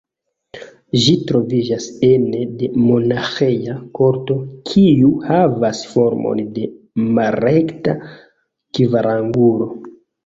Ĝi troviĝas ene de monaĥeja korto, kiu havas formon de malrekta kvarangulo.